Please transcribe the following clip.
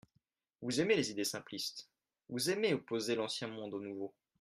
Vous aimez les idées simplistes ; vous aimez opposer l’ancien monde au nouveau.